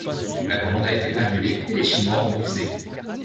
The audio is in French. La commande a été annulée et les chinois remboursés.